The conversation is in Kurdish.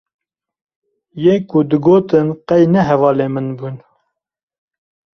yê ku digotin qey ne hevalê min bûn